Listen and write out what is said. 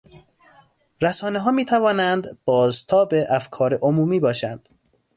رسانهها میتوانند بازتاب افکار عمومی باشند.